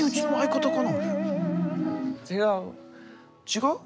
違う？